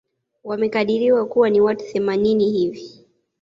Wamekadiriwa kuwa ni watu themanini hivi